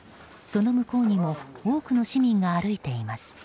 その向こうにも多くの市民が歩いています。